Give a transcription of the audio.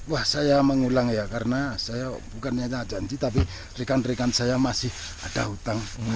wah saya mengulang ya karena saya bukan hanya janji tapi rekan rekan saya masih ada hutang